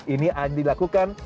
ini hanya dilakukan